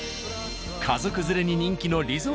家族連れに人気のリゾ―